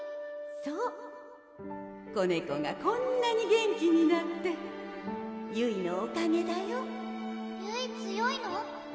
そう子猫がこんなに元気になってゆいのおかげだよゆい強いの？